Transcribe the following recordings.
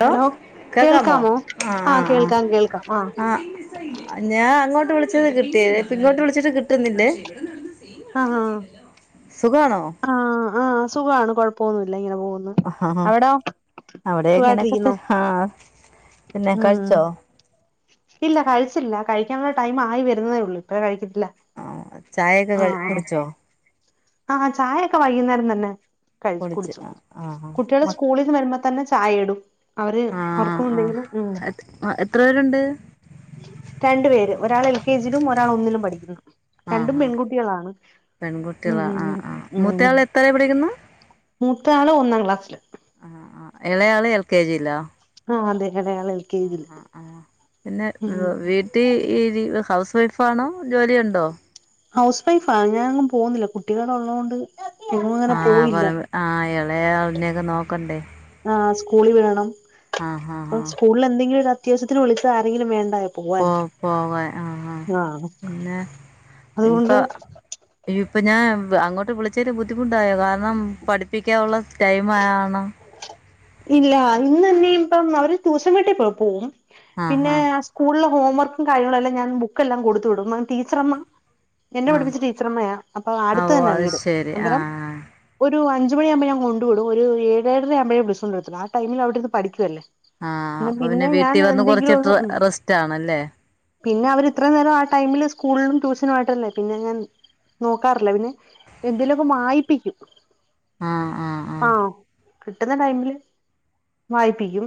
Hello കേക്കാമോ കേൾക്കാമോ ആ ആ ആഹ് കേൾക്കാം കേൾക്കാം ആ ആഹ് ഞാൻ അങ്ങോട്ട് വിളിച്ചത് കിട്ടിയ ഇപ്പ ഇങ്ങോട്ട് വിളിച്ചിട്ട് കിട്ടുന്നില്ലേ ആഹാ സുഖാണോ ആ ആ ആഹ് സുഖാണ് കൊഴപ്പൊന്നുല്ല ഇങ്ങനെ പോകുന്നു ആ അവിടോ സുഖയിട്ടിരിക്കുന്നോ ആഹ് ആഹ് ഇല്ല കഴിച്ചില്ല കഴിക്കാനുള്ള ടൈം ആയി വരുന്നതേ ഉള്ളൂ ഇപ്പഴേ കഴിക്കത്തില്ല ആ ചായയൊക്കെ ക ആഹ് കുടിച്ചോ ആഹ് ചായയൊക്കെ വൈകുന്നേരം തന്നെ കഴ കുടിച്ച് കുടിച്ചു ആ ആ കുട്ടികള് സ്കൂളിൽ വരുമ്പോ തന്നെ ചായ ഇടും അവര് അവർക്കും എന്തെങ്കിലും ഉം ആഹ് എത്ര പേരുണ്ട് രണ്ടു പേര് ഒരാൾ എൽ കെ ജയിലും ഒരാൾ ഒന്നിലും പഠിക്കുന്നു ആ രണ്ടും ആ പെൺകുട്ടികളാണ് ഉം പെൺകുട്ടികളാ ആ ഉം ആ ഉം ഉം മൂത്തയാൾ എത്രയിലാ പഠിക്കുന്നു മൂത്താള് ഒന്നാം ക്ലാസില് ഇളയാള് എൽ കെ ജി യിലോ ആഹ് അതെ ഇളെയാളെ ആഹ് ആഹ് പിന്നെ വീ വീട്ടി ഈ ഹൗസ് വൈഫാണോ ജോലി ഉണ്ടോ ഹൗസ് വൈഫാ ഞാനെങ്ങും പോകുന്നില്ല കുട്ടികള് ഉള്ളതോണ്ട് ആഹ് പറ ആ എളെ അളിനെക്കെ നോക്കണ്ടേ ആഹ് സ്കൂളിൽ വിടണം ആഹ് ആഹ് ഇപ്പ ആഹ് സ്കൂളിൽ എന്തെങ്കിലും ഒരു അത്യാവശ്യത്തിന് വിളിച്ച ആരെങ്കിലും വേണ്ടായോ പോവാൻ പോ പോക ആഹ് ആഹ് പിന്നെ ഇപ്പ അതുകൊണ്ട് അയ്യ ഇപ്പൊ ഞാൻ അങ്ങോട്ട് വിളിച്ചതില് ബുദ്ധിമുട്ടായോ കാരണം പഠിപ്പിക്കാനുള്ള ടൈം ആയ കാരണം ഇല്ല ഇന്ന് തന്നെയ ഇപ്പം അവര് വീട്ടിൽ പ്പോയി പോവും ആഹ് പിന്ന ആഹ് ഹസ് സ്കൂളില ഹോംവർക്കും കാര്യങ്ങളെല്ലാം ഞാൻ ബുക്കല്ലാം കൊടുത്ത് വിടും ടീച്ചർമ്മ എന്നെ ആഹ് പഠിപ്പിച്ച ടീച്ചർമ്മയാ അപ്പൊ അട്ത്ത് ആഹ് ഓഹ് തന്നെ അത് വീട് ശരി അന്നേരം ആഹ് ഒരു അഞ്ചു മണിയാകുമ്പോ ഞാൻ കൊണ്ടു വിടും ഒരു ഏഴേ ഏഴര ആകുമ്പഴേ ബ്സ് കൊണ്ട് വെച്ച് ആടൈമിൽ അവിടെ ഇരുന്ന് പഠിക്കുവല്ലേ ആഹ് അപ്പൊ പിന്നെ ഞാൻ വീട്ടിൽ വന്ന് എന്തെങ്കിലും കുറച്ചിട്ട ഒന്ന് റെസ്റ്റ് ആണല്ലേ പിന്നെ അവർ ഇത്രയും നേരം ആ ടൈമിൽ സ്കൂളിലും ട്യൂഷനു ആയിട്ട അല്ലേ പിന്നെ ഞാൻ നോക്കാറില്ല പിന്നെ എന്തേലുക്കെ വായിപ്പിക്കും ആഹ് കിട്ടുന്ന ടൈമിൽ വായിപിക്കും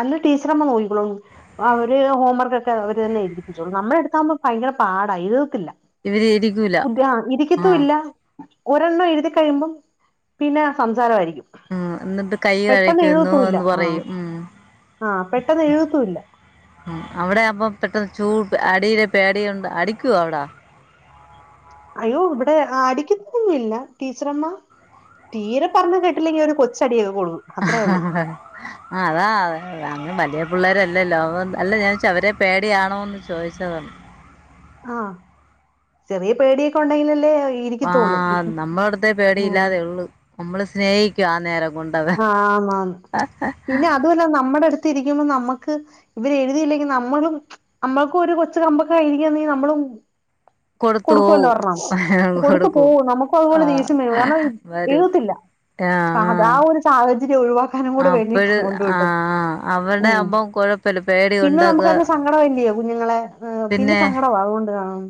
അല്ല ടീച്ചർ അമ്മ നോക്കിക്കോളും അവര് ഹോംവർക്ക ഒക്കെ അവര് തന്നെ എഴ്തിപ്പിച്ചോളൂ നമ്മളടുത്താവകുമ്പോ ഭയങ്കര പാടാ എഴുതത്തില്ല ഇവര് ഇരിക്കൂല കുട്ടി ആ ഇരിക്കത്തും ആഹ് ഇല്ല ഒരെണ്ണം എഴുതി കഴിയുമ്പം പിന്നെ ആ സംസാര ആയിരിക്കും ഉം എന്നിട്ട് കൈ കഴക്കുന്നു എന്ന് ആഹ് പറയും ഉം ആഹ് പെട്ടെന്ന് എഴുതത്തുമില്ല അവിടെ ആവുമ്പോ അപ്പൊ പെട്ടെന്ന് ചൂട് അടിയുടെ പേടിയുണ്ടോ അടിക്കോ അവിടാ അയ്യോ ഇവിടെ അടിക്കത്തൊന്നുല്ലാ ടീച്ചറമ്മ തീരെ പറഞ്ഞ കേട്ടില്ലെങ്കിൽ ഒരു കൊച്ചടിയൊക്കെ കൊള്ളും ആ അതാ അങ്ങനെ വലിയ പിള്ളേരല്ലല്ലോ അല്ല ഞാച്ച അവരെ പേടിയാണോന്ന് ചോയിച്ചതാ ആഹ് ചെറിയ പേടിയൊക്കെ ഉണ്ടെങ്കിലല്ലേ ഈ ആഹ് നമ്മളടുത്തെ പേടിയില്ലാതെ ഉള്ളൂ നമ്മള് സ്നേഹിക്കും ആ നേരം കൊണ്ട് അവ ആഹ് ന്നാ പിന്നെ അതുമല്ല നമ്മുടെ അടുത്ത് ഇരിക്കുമ്പോ നമ്മുക്ക് ഇവരെ എഴുതിയില്ലെങ്കിൽ നമ്മളും നമ്മൾക്ക് ഒരു കൊച്ച കമ്പൊക്ക ആയിരിക്കുന്നേ നമ്മളും കൊടുത്തു കൊടുക്കുവല്ലോ ഒരെണ്ണം പോവും കൊടുത്തു കൊടുക്കും പോവും നമുക്ക് അതുപോലെ ദേശ്യം വരും കാരണം എഴുത്തില്ല ആഹ് താ ഒരു സാഹചര്യം ഒഴിവാ അപ്പഴ് ആഹ് ആഹ് അവടെ ആകുമ്പം കുഴപ്പില്ല പേടി ഉണ്ടാക്ക സങ്കടംല്ലയോ കുഞ്ഞുങ്ങളെ പിന്നെ സങ്കടമാ അതുകൊണ്ട് കാണും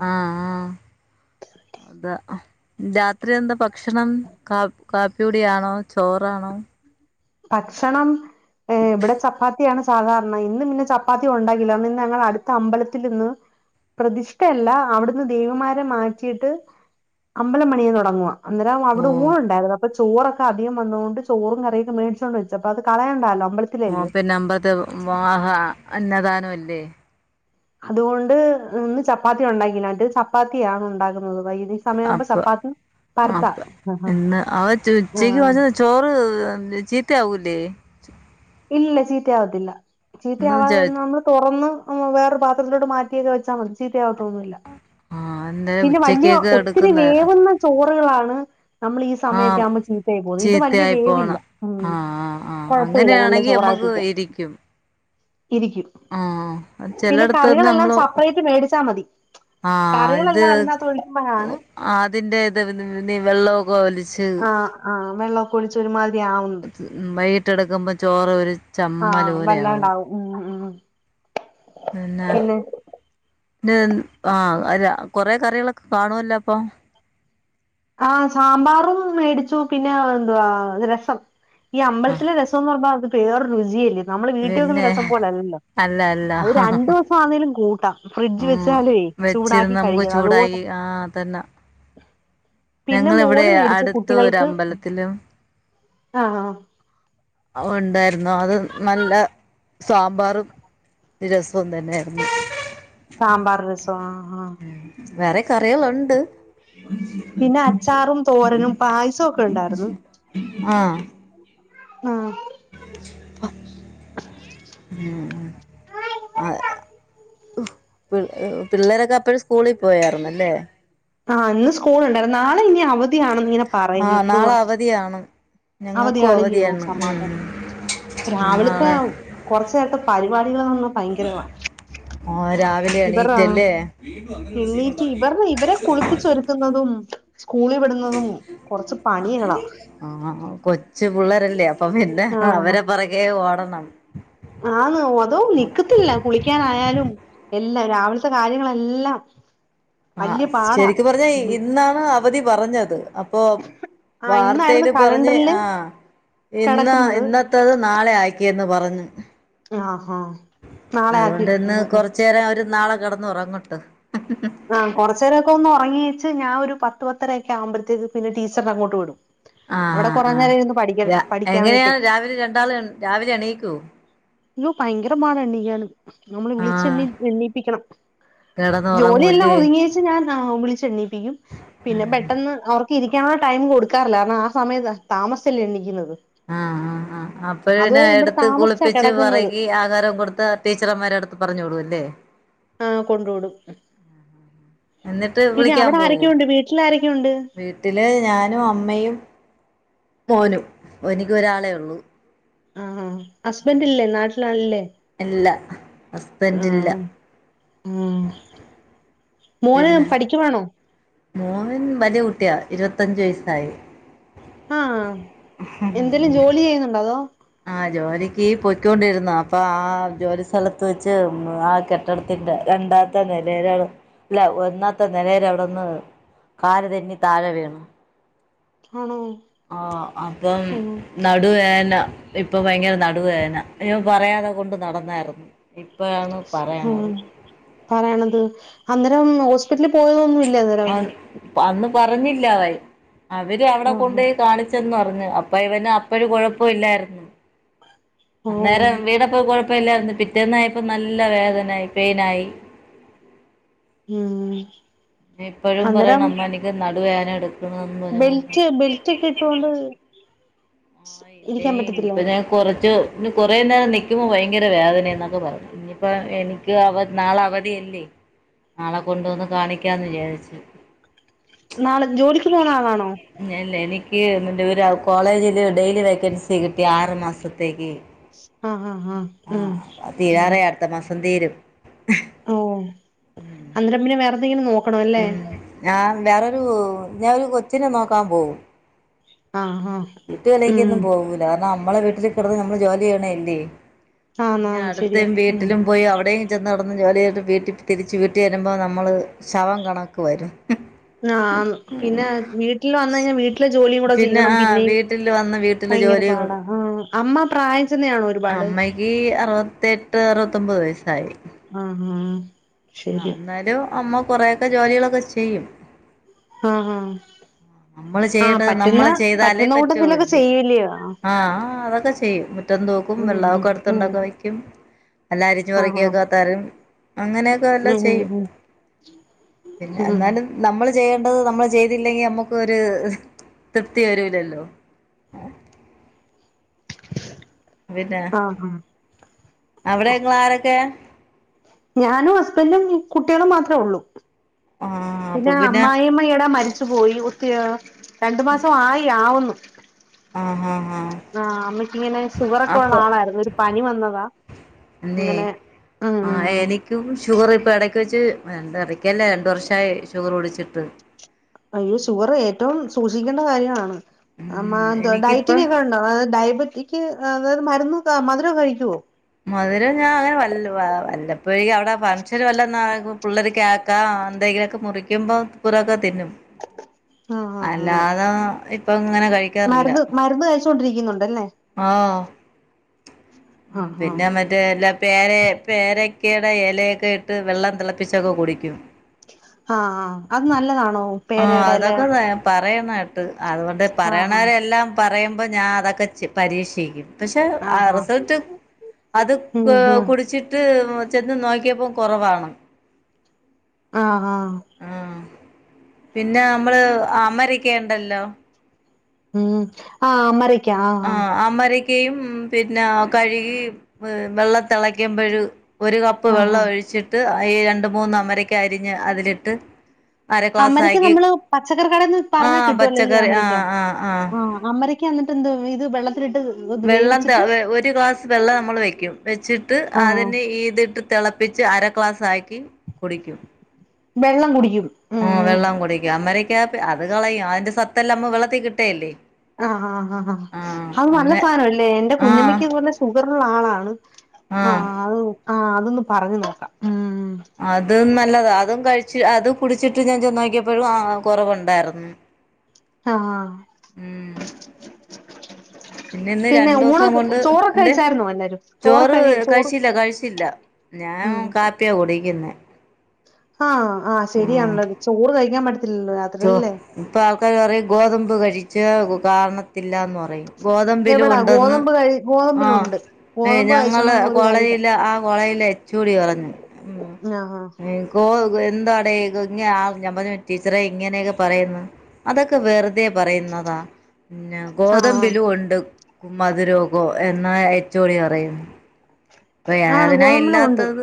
അത രാത്രി എന്താ ഭക്ഷണം കാപ്പ് കാപ്പി കുടിയാണോ ചോറാണോ ഭക്ഷണം ഏഹ് ഇവിടെ ചപ്പാത്തിയാണ് സാധാരണ ഇന്ന് പിന്നെ ചപ്പാത്തി ഉണ്ടാക്കില്ല ഇന്ന് ഞങ്ങൾ അടുത്ത അമ്പലത്തിൽ ഇന്ന് പ്രതിഷ്ഠയല്ല അവിടുന്ന് ദൈവമാരെ മാറ്റിയിട്ട് അമ്പലമണിയൻ തുടങ്ങുവാ അന്നേരം അവിടെ ഓഹ് ഊണ് ഉണ്ടായിരുന്നു അപ്പൊ ചോറൊക്കെ അധികം വന്നോണ്ട് ചോറും കറിയൊക്കെ മേടി ചൊണ്ട് വെച്ച് അപ്പം അത് കളയണ്ടാലോ മ്പള് വോപ്പിനംബ്ബത്‌ വാഹ് അന്നദാനംല്ലേ അതുകൊണ്ട് ഇന്ന് ചപ്പാത്തി ഉണ്ടാക്കില്ല അറ്റെ ചപ്പാത്തിയാണ് ഉണ്ടാകുന്നത് വൈകി അപ്പ അപ്പ ഇന്ന് അവ ഉച്ചക്ക് വച്ച ചോറ് എന്നാ ചീത്തയാവൂലെ ഇല്ലല്ല ചീത്തയാവത്തില്ല ചീത്തയാവാ ഇന്ന് നമ്മൾ തുറന്ന് വേറെ പാത്രത്തിലോട്ട് മാറ്റിയൊക്കെ വെച്ചാൽ മതി ചീത്തയാകത്തൊന്നുമില്ല ആഹ് എന്തായാലും പിന്നെ വലിയ ഉച്ചക്കേക്ക് ഒത്തിരി എടുക്കുന്ന വേവുന്ന ചോറുകളാണ് നമ്മൾ ഈ സമയൊക്കെ ആഹ് ആവുമ്പോ ചീത്തായി പോകുന്നു ഇത് വലിയ ചീത്തയായി വേവില്ല പോണം ഉം ആഹ് ആഹ് ആഹ് കൊഴപ്പമില്ല നല്ല അങ്ങനെയാണെങ്കി നമ്മക്ക് ചോറാക്കിക്ക ഇരിക്കും ഇരിക്കും ആഹ് പിന്നെ ചെലയിടത്തൊന്നും കറികളെല്ലാം നമ്മള് സപ്രറ്റ് മേടിച്ചാ മതി ആഹ് ഇത് കറികളെല്ലാം അതിനകത്ത് ഒഴിക്കുമ്പോഴാണ് അതിന്റെ ഇത് നീ വെള്ളമൊക്കെ ഒലിച്ച് ആഹ് വെള്ളമൊക്കെ ഒലിച്ച് ഒരുമാതിരി ആവും ഉം വൈകിട്ടെടുക്കുമ്പോ ചോറ് ഒരു ആ ചമ്മലൂലെ ആവും വല്ലാണ്ടാവും ഉം ഉം പിന്നെ ദിൻ ആഹ് അര കൊറെ കറികളൊക്കെ കാണുവല്ലോ അപ്പൊ ആഹ് സാമ്പാറും മേടിച്ചു പിന്നെ എന്തുവാ രസം ഈ ആഹ് അമ്പലത്തിലെ രസം സം എന്ന് പറഞ്ഞാ അത് വേറെരുചിയല്ലേ നമ്മള് വീട്ടിൽ വെക്കുന്ന പിന്നെ രസം പോലെ അല്ലല്ലോ അല്ല അല്ല അത് രണ്ടു ദിവസം ആണേലും കൂട്ടാം ഫ്രിഡ്ജ് ഉം വെച്ചാല ചൂടാക്കി കഴിക്കണം അതുപോലെ. തന്ന. പിന്നെ മോര് മേടിച്ച അടുത്ത ഒരു കുട്ടികൾക്ക് അമ്പലത്തിലും ആഹ് ആഹ് ഉണ്ടായിരുന്നു അത് നല്ല സാമ്പാറും. രസം തന്നെയായിരുന്നു. സാമ്പാർ രസം ആഹ് ആഹ്. ഉവേറെ കറികളുണ്ട പിന്നെ അച്ചാറും തോരനും പായസമൊക്കെ ഉണ്ടായിരുന്നു. ആഹ് ആഹ് ഉം അ പിള്ളേരൊക്കെ അപ്പോഴും സ്കൂളിൽ പോയായിരുന്നുല്ലേ. ആഹ് ഇന്ന് സ്കൂള ഉണ്ടായിരുന്നു നാളെ ഇനി അവധി. അവധി ആണെന്ന് ഇങ്ങനെ ആഹ് പറയുന്നു നാളെ അവധിയാണ് ഞങ്ങൾക്കും അവധിയാണ്ല്ലോ അവധിയാണ് ഉം സമാധാനം. രാവിലത്തെ നാളെ കുറച്ച നേരത്തെ പരിപാടികള ഒന്ന ഭയങ്കരമാണ്. ഓ രാവിലെ എണീറ്റല്ല കുളിപ്പിച്ച് ച്ചൊരുക്കുന്നതും സ്കൂളിൽ വിടുന്നതും കുറച്ച് പണികള ആഹ് കൊച്ചു പിള്ളേരല്ലേ അപ്പൊ പിന്നെ അവരെ പിറകേ ഓടണം. ആന്നൂ അതോ നിക്കത്തില്ല കുളിക്കാനായാലും. എല്ലാം രാവിലത്തെ കാര്യങ്ങളെല്ലാം. വല്യ ആഹ് പാടാ ശരിക്ക്‌ പറഞ്ഞാ ഇന്നാണ് അവധി പറഞ്ഞത് അപ്പൊ. ആഹ് ഇന്നായിരുന്നു വാർത്തയില് പറഞ്ഞ് കലണ്ടറില് ആഹ് ഇന്നാ കിടക്കുന്നത് ഇന്ന ത്തത് നാളെ ആക്കിയെന്ന് പറഞ്ഞു. ആഹാ അതുകൊണ്ട് ഇന്ന് കൊറച്ച് നേേരം അവര് നാളെ കിടന്ന് ഉറങ്ങട്ട് ആഹ് കൊറച്ച് നേരൊക്കെ ഒന്ന് ഉറങ്ങിയേച്ച് ഞാൻ ഒരു പത്ത് പത്തര ഒക്കെ ആവുമ്പഴത്തേക്ക് പിന്നെ ടീച്ചറിന്റെ അങ്ങോട്ട് വിടും. അവിടെ ആഹ് കൊറേ ആഹ് ആഹ് നേരം ഇരുന്ന് പഠിക്കാൻ രാ പഠിക്കാൻ വേണ്ടിട്ടേ എങ്ങനെയാണ് രാവിലെ രണ്ടാളും രാവിലെ എണീക്കോ. ഇയ്യൊ ഭയങ്കര പാടാണ് ഇയാള് നമ്മള് വിളിച്ച് ആഹ് എണ്ണി എണ്ണീപ്പിക്കണം ജോലിയെല്ലാം കിടന്നുറങ്ങൂല്ലേ ഒതുങ്ങിയേച്ച് ഞാൻ വിളിച്ച് എണ്ണിപ്പിക്കും. പിന്നെ പെട്ടെന്ന് അവർക്ക് ഇരിക്കാനുള്ള ടൈം കൊടുക്കാറില്ല കാരണം ആ സമയം താമസിച്ചല്ലേ എണീക്കുന്നത്. ആഹ ആഹ് ആഹ് അപ്പഴ് പിന്നെ അതുപോലെ ഇവിടെ എടുത്ത് താമസിച്ചാ കുളിപ്പിച്ച് കെടക്കുന്നത് പെറകി ആഹാരവും കൊടുത്ത് ടീച്ചർമാരെ അടുത്ത് പറഞ് വിടും അല്ലേ? ആഹ് കൊണ്ട് വിടും എന്നിട്ട് പിന്നെ വിളിക്കാൻ അവിടെ പോകും ആരൊക്കെയുണ്ട് വീട്ടിൽ ആരൊക്കെയുണ്ട്. വീട്ടില് ഞാനും അമ്മയും. മോനും എനിക്ക് ഒരാളെ ഉള്ളൂ. ആഹ് ഹസ്ബന്റ് ഇല്ലേ നാട്ടിലാളില്ലേ ഇല്ല ഹസ്ബന്റ് ഇല്ല. ഉം മോന് പിന്നെ പഠിക്കുവാണോ? മോൻ വലിയ കുട്ടിയ ഇരുപത്തഞ്ചു വയസ്സായി. ആഹ് എന്തേലും ജോലി ചെയ്യുന്നുണ്ടോ അതോ. ആഹ് ജോലിക്ക് പൊയ്ക്കൊണ്ടിരുന്നതാ അപ്പൊ ആ ജോലി സ്ഥലത്ത് വെച്ച് ആക്ക് കെട്ടിടത്തിന്റെ രണ്ടാമത്തെ നിലേടെ അവ് അല്ല ഒന്നാത്തെ നിലേടെ അവിടെന്ന്. കാല് തെന്നി താഴെ വീണു ആണോ ആഹ് അപ്പം. ഉം നടുവേന ഇപ്പൊ ഭയങ്കര നടുവേന അഹ് ഞാൻ പറയാതെ കൊണ്ട് നടന്നായിരുന്നു. ഇപ്പോഴാണ് പറയണത് ആഹ് പറയണത് അന്നേരം ഹോസ്പിറ്റലിൽ പോയതൊന്നുല്ലേ അന്നേരം. അപ്പം അന്ന് പറഞ്ഞില്ല അവൻ അവര് അവിടെ ആഹ് കൊണ്ടോയി കാണിച്ച് [unintelligible] പറഞ്ഞു അപ്പ ഇവന് അപ്പഴും കുഴപ്പില്ലായിരുന്നു ഓ അന്നേരം വീണപ്പോ കൊഴപ്പ പ്പല്ലാരുന്നു പിറ്റേന്നായപ്പം നല്ല വേദനായി പെയിനായി. ഉം നിപ്പഴും പറയണ അന്നേരം അമ്മ എനിക്ക് നടുവേന എടുക്കും. ബെൽറ്റ് ബെൽറ്റ് ഇട്ടിട്ടോണ്ട് ഏയ്‌ ഇപ്പൊ ഞാൻ കൊറച് ഇനി കൊറെ നേരം നിക്കുമ്പോ ഭയങ്കര വേദന എന്നൊക്കെ പറയും ഇനിയിപ്പോ എനിക്ക് അവ നാളെ അവധിയല്ലേ നാളെ കൊണ്ടുവന്ന് കാണിക്കാന്ന് വിചാര്ച്ചു നാളെ ജോലിക്ക് പോന്ന ആളാണോ? ഞ അല്ല എനിക്ക് [unintelligible] കോളേജില് ഡെയിലി വേക്കൻസി കിട്ടി ആറ് മാസത്തേക്ക് ആഹ് ആഹ് ആഹ് ഉം ആഹ് അത് തീരാറായ് അടുത്ത മാസം തീരും ഓഹ് അന്നേരം പിന്നെ വെറന്തെങ്കിലും നോക്കണോം അല്ലേ ഉം ഞാൻ വേറൊരു ഞാനൊരു കൊച്ചിനെ നോക്കാൻ പോവും ആണോ വീട്ടുകളിലേക്കൊന്നും പോകൂല കാരണം നമ്മളെ വീട്ടില് കിടന്ന് നമ്മള് ജോലി ചെയ്യണം അല്ലേ ആന്ന് പിന്നെ ആന്ന് അടുത്ത ശരിയാ ഉം വീട്ടിലും പോയി അവിടെയും, ചെന്ന് കടന്ന് ജോലിയിട്ട് വീട്ടിൽ തിരിച്ച് വീട്ടിൽ വരുമ്പോൾ നമ്മൾ ശവം കണക്ക വരും, ആന്ന് പിന്നെ വീട്ടില് വന്ന കഴിഞ്ഞാൽ വീട്ടില് ജോലിയും കൂടെ പിന്നെ ചെയ്യണം ആ പിന്നെയും വീട്ടിൽ വന്ന് വീട്ടില് ഭയങ്കര ജോലി പാടാ ആഹ് അമ്മ പ്രായം ചെന്ന ആണോ ഒരുപാട്, ഈ അറുപത്തി എട്ട് അറുപത്തിമ്പത് വയസായി, ആഹ് ആഹ്, ആഹ് ശരി എന്നാലും അമ്മ കൊറെയൊക്കെ ജോലികളൊക്കെ ചെയ്യും, ആഹ് ആഹ്, നമ്മള് ആഹ് ചെയ്യെണ്ടെ പറ്റുന്ന നമ്മള് ചെയ്താലേ പറ്റുന്ന പറ്റുള്ളൂ കൂട്ടത്തിലൊക്കെ ചെയ്യൂല്ലയോ ആഹ് അതൊക്കെ, ചെയ്യും മുറ്റം തോക്കും ഉം വെള്ളമൊക്കെ ഉം ഉം അകത്തുണ്ടാക്കെ വയ്ക്കും എല്ല അരിഞ് ആഹ് പറക്കിയക്കാ തരും അങ്ങനെയൊക്കെ എല്ലാം ഉം ഉം ചെയ്യും ഉം പിന്നെ ഉം എന്നാലും, നമ്മൾ ചെയ്യേണ്ടത് നമ്മൾ ചെയ്തില്ലെങ്കിൽ നമ്മുക്ക് ഒരു തൃപ്തി വരൂലല്ലോ, പിന്ന ആഹ് ആഹ് അവിടെങ്ങളാരൊക്കെ? ഞാനും ഹസ്ബൻറും കുട്ടികളും മാത്രമേ ഉള്ളൂ ആഹ് അപ്പൊ പിന്നെ അമ്മായിയും, ടാ മരിച്ചു പോയി ഒത്തി രണ്ടു മാസം ആയി ആവുന്നു, ആഹ് ഹ ഹ ആഹ് അമ്മയ്ക്ക്ങ്ങനെ ഷുഗറ ഒക്കെ ഉള്ള ആളായിരുന്നു ഒരു പനി വന്നതാ ങ്ങനെ ആഹ് ആഹ്, ക് ഷുഗർ ഇപ്പൾ ഇടയ്ക്ക് വെച്ച്ട്ട് ഇടക്കല്ലേ രണ്ട് വർഷമായി ഷുഗർ കുടിച്ചിട്ട് അയ്യോ ഷുഗർ ഏറ്റവും സൂക്ഷിക്കേണ്ട കാര്യമാണ് ആ മാ ഉം എന്തോ എനിക്കിപ്പം ഡയറ്റിംഗ ഒക്കെ ഉണ്ടോ അ ഡയബറ്റിക് അതായത് മരുന്ന് മധുരമ കഴിക്കുവോ, മധുരം ഞാൻ അങ്ങനെ വല്ല വല്ലപ്പഴേ അവിടെ ഫംഗഷൻ വല്ല പിള്ളേർക്ക് ക്കാ എന്തെങ്കിലുമൊക്കെ മുറിക്കുമ്പോ പുരൊക്കെ തിന്നും ആഹ് ആഹ് അങ്ങനെ അല്ലാതെ ഇപ്പൊ ഇങ്ങനെ കഴിക്കാറില്ല മരുന്ന് മരുന്ന് കഴിച്ചോണ്ടിരിക്കുന്നുണ്ടല്ലേ ആഹ് മം ആഹ് ആഹ് പിന്നെ മ ല്ല പേര പേരക്കയുടെ ഇലയൊക്കെ ഇട്ട് വെള്ളം തിളപ്പിച്ചൊക്കെ കുടിക്കും ആഹ് അഹ് അത് നല്ലതാണോ? ആഹ് പേരയുടെ എല അതൊക്കെ ത പറയണാകേട്ട് അതുകൊണ്ട് ആഹ് ആഹ് പറയണവരെല്ലാം പറയുമ്പോൾ ഞാൻ അതൊക്കെ പരീക്ഷിക്കും പക്ഷെ ആ ആഹ് ആഹ് റിസൾട്ട് അത് ഉം ഉം കുടിച്ചിട്ട് ഇട്ട് ചെന്ന് നോക്കിയപ്പോൾ കുറവാണ് ആഹ് ആഹ് ആഹ് പിന്നെ നമ്മള് അമരിക്ക ഉണ്ടല്ലോ ഉം ആഹ് മര ആഹ് അമരിക്കയും പിന്നെ കഴുകി വെള്ളം തിളക്കുമ്പഴ് ഒരു കപ്പ് ആഹ് വെള്ളം ആഹ് ഒഴിച്ചിട്ട് ഈ രണ്ട് മൂന്ന് അമരക്ക അരിഞ്ഞ് അതിലിട്ട് അര അമരിക്ക ഗ്ലാസാക്കി നമ്മള് പച്ചക്കറി കടെന്ന് പറഞ്ഞാ ആഹ് കിട്ടുവല്ലോല്ലേ പച്ചക്കറി അമരിക്ക ആഹ് ആഹ് ആഹ് അമരയ്ക്ക് എന്നിട്ട്ന്ത് ഇത് വെള്ളത്തിലിട്ട് ഒന്ന് വെള്ളം വേവിച്ചിട്ട് ഒരു ഗ്ലാസ് വെള്ളം നമ്മൾ വെക്കും വെച്ചിട്ട് ആഹ് അതിന് ഇതിട്ട് തിളപ്പിച്ച് അര ഗ്ലാസ്സാക്കി കുടിക്കും വെള്ളം കുടിക്കും മം മം വെള്ളം കുടിക്കും അമരക്ക അത് കളയും അതിന്റെ സത്തല്ലാം അമ്മ വെള്ളത്തിൽ കിട്ടേല്ലേ ആഹ് ആ ആഹാ ആഹ് അത് നല്ല സാധനംല്ലേ എൻറെ ആഹ് കുഞ്ഞമ്മയ്ക്ക് പോലെ സുഖറള്ള ആളാണ് ആഹ് അത് ആ അതൊന്ന് പറഞ്ഞു നോക്കാം ഉം അത് നല്ലതാ അതും കഴിച്ച് അത് കുടിച്ചിട്ട് ഞാൻ ചെന്ന് നോക്കിയപ്പോഴും ആ കുറവുണ്ടായിരുന്നു ആഹ് ഉം പിന്നെ ഇന്ന് രണ്ടൂസം ഊണൊക്കെ കൊണ്ട് ചോറൊക്കെ എന്ത് കഴിച്ചായിരുന്നോ എല്ലാരും ചോറ് കഴി ചോറ് കഴിച്ചില്ല കഴിച്ചില്ല ഞാൻ ഉം കാപ്പിയാ കുടിക്കുന്നെ ആഹ് ആഹ് ഉം ശരിയാണല്ലോ ചോറ് കഴിക്കാൻ പറ്റത്തില്ലല്ലോ രാ ചോ ഇപ്പൊ ആൾക്കാര് പറയും ഗോതമ്പ് കഴിച്ചാ കാണത്തില്ലാന്ന് പറയും ഗോതമ്പിലു എവിടാ ഉണ്ടെന്ന് ഗോതമ്പ് കഴി ആ ഗോതമ്പിലുണ്ട് എ ഗോതമ്പ് ഞങ്ങള് കഴിച്ചോണ്ടൊന്നും ഒരു കാര്യല്ല കോളയില ആ കോളയിലെ ചൂടി കുറഞ്ഞു ഉം അ ആഹ് കോ എന്താടെ ഇഞ്ഞ ആ ഞമ്മക്ക് ടീച്ചറെ ഇങ്ങനെയൊക്കെ പറയുന്നു അതൊക്കെ വെറുതെ പറയുന്നതാ ഇന്ന ആഹ് ആഹ് ഗോതമ്പിലു ഒണ്ട് ഉം മതിരോകൊ എന്നാ ഏച്ചോടി അറിയു അപ്പൊ യാ ആണ് അതിനായി ഗോതമ്പിലും ഉണ്ട് ഇല്ലാത്തത്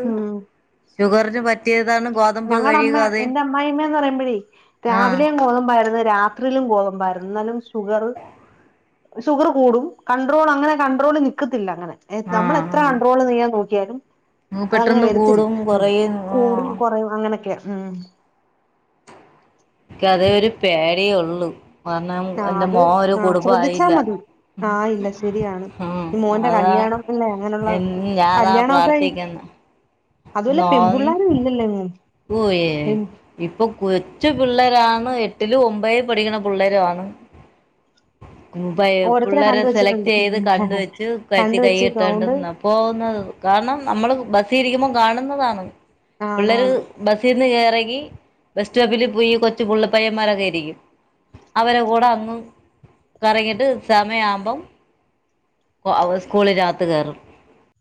ഷുഗറിന് പറ്റിയതാണ് ഗോതമ്പ് ഞങ്ങളെ കഴിയുക അമ്മ അത് എന്റെ അമ്മായി ആമ്മേന്ന് പറയുമ്പോഴേ ആഹ് രാവിലെയും ഗോതമ്പായിരുന്നു രാ ത്രിലും ഗോതമ്പാരുന്നു ഇന്നാലും ഷുഗറ് ഷുഗറ് കൂടും കൺട്രോൾ അങ്ങനെ കൺണ്ട്രോള് നിക്കത്തില്ല അങ്ങനെ എ ആഹ് നമ്മളെത്ര ആഹ് കൺണ്ട്രോള് ചെയാൻ നോക്കിയാലും അതങ്ങനെ പെട്ടെന്ന് വരത്തില്ല കൂടും ഉം കുറയും കൂടും ആഹ് കൊറയും അങ്ങനൊക്കെ ഉം ഇക്കതേ ഒരു പേടിയൊള്ളു കാരണം ആഹ് എന്റെ അത് മോ ഒരു ആഹ് ശ്രദ്ധിച്ചാ കുടുംബായില്ല മതി ആഹ് ഇല്ല ശരിയാണ് ഉം ഈ മോന്റെ അതാ കല്യാണം അല്ലേ അങ്ങനെയുള്ള എന്നു ഞാനതാ കല്യാണമൊക്കെ പ്രാർത്ഥിക്കുന്ന്‌ അതുമല്ല നോൻ പെൺപിള്ളാരും ഇല്ലല്ലോ എങ്ങും പോയേ പെൺ- ഇപ്പൊ കൊച്ച് പിള്ളേരാണ് എട്ടില് ഒമ്പതി പഠിക്കണ പിള്ളേരു ആണ് ഉം പയേ ഓരോരുത്തരെ പിള്ളേരെ കണ്ട് സെലക്ട് വെച്ചിട്ടുണ്ട് ചെയ്ത് കണ്ട് വെച്ചു കഴുത്തി കണ്ട് വെച്ചേക്കുവാ കൈയിട്ടോണ്ട് അതുകൊണ്ട് ന പോകുന്നത് കാരണം നമ്മള് ബസ്സി ഇരിക്കുമ്പൊ കാണുന്നതാണ് ആണാണ് പിള്ളേര് ബസ്സീന്ന് എറങ്ങി ബസ്സ്റ്റോപ്പിൽ പോയി കൊച്ചു പുള്ളപ്പയ്യന്മാരൊക്കെ ഇരിക്കും അവരെ കൂടെ അങ്ങ് കറങ്ങിട്ട് സമയ ആവുമ്പം പ്പൊ അവ സ്കൂളിനകത്ത് കേറും